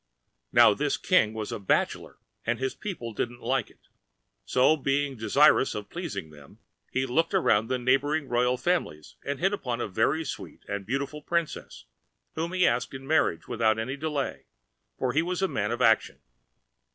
Now this King was a bachelor and his people didn't like it; so being desirous of pleasing them, he looked around among the neighbouring royal families and hit upon a very sweet and beautiful princess, whom he asked in marriage without any delay, for he was a man of action.